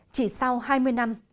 chỉ sau hai mươi năm